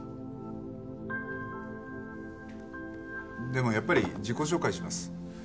でもやっぱり自己紹介します。